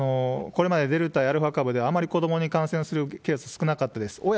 これまでデルタやアルファ株で、あまり子どもに感染するケース少なかったです。